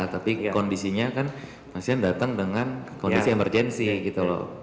tapi kondisinya kan pasien datang dengan kondisi emergensi gitu loh